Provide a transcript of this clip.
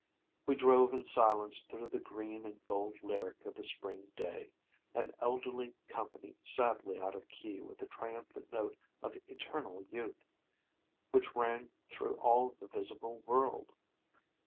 We drove in silence through the green and gold lyric of the spring day, an elderly company sadly out of key with the triumphant note of eternal youth which rang through all the visible world.